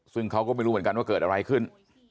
ซึ่งเขาก็ไม่รู้เหมือนกันว่าเกิดอะไรขึ้น